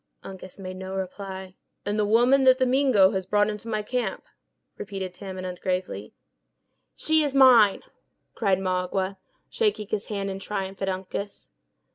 Uncas made no reply. "And the woman that the Mingo has brought into my camp?" repeated Tamenund, gravely. "She is mine," cried Magua, shaking his hand in triumph at Uncas.